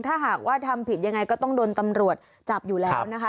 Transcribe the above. ถ้าหากว่าทำผิดยังไงก็ต้องโดนตำรวจจับอยู่แล้วนะคะ